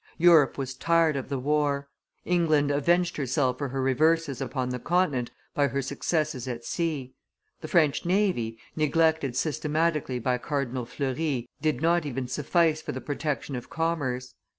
Europe was tired of the war. England avenged herself for her reverses upon the Continent by her successes at sea; the French navy, neglected systematically by Cardinal Fleury, did not even suffice for the protection of commerce.